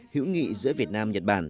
hữu nghị giữa việt nam nhật bản